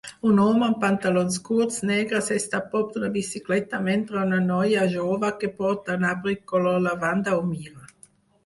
Un home amb pantalons curts negres està a prop d'una bicicleta mentre una noia jove que porta un abric color lavanda ho mira.